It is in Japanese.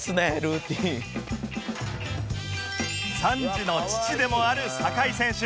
３児の父でもある酒井選手